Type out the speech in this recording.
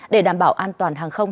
để đảm bảo an toàn hàng không